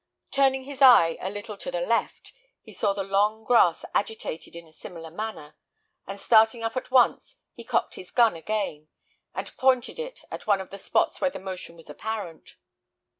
Turning his eye a little to the left, he saw the long grass agitated in a similar manner; and starting up at once, he cocked his gun again, and pointed it at one of the spots where the motion was apparent.